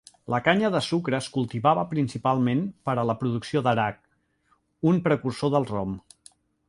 La canya de sucre es cultivava principalment per a la producció d"arac, un precursor del rom.